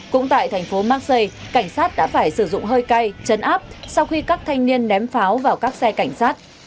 cũng tại thành phố maxi cảnh sát đã phải sử dụng hơi cay chấn áp sau khi các thanh niên ném pháo vào các xe cảnh sát